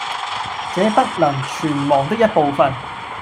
這不能全忘的一部分，